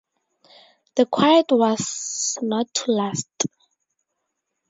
The quiet was not to last.